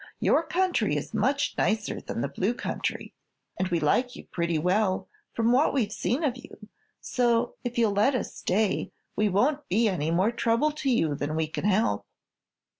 Your country is much nicer than the Blue Country, and we like you pretty well, from what we've seen of you; so, if you'll let us stay, we won't be any more trouble to you than we can help."